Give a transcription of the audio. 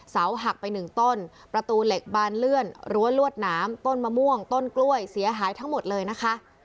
เสาหักไปหนึ่งต้นประตูเหล็กบานเลื่อนรั้วลวดหนามต้นมะม่วงต้นกล้วยเสียหายทั้งหมดเลยนะคะ